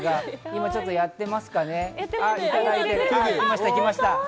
今、ちょっとやっていますかね。来ました。